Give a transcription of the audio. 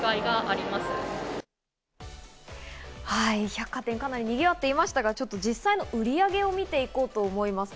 百貨店、かなりにぎわっていましたが、実際の売り上げを見て行こうと思います。